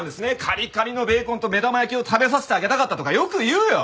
カリカリのベーコンと目玉焼きを食べさせてあげたかったとかよく言うよ！